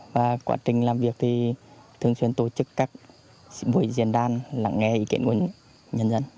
và quá trình làm việc thì thường xuyên tổ chức các buổi diễn đàn lắng nghe ý kiến của nhân dân